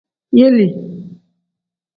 Yelii.